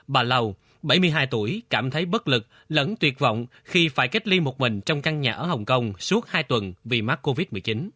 bà lầu bảy mươi hai tuổi cảm thấy bất lực lẫn tuyệt vọng khi phải cách ly một mình trong căn nhà ở hồng kông suốt hai tuần vì mắc covid một mươi chín